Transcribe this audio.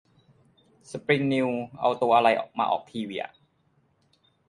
สปริงนิวส์เอาตัวอะไรมาออกทีวีอ่ะ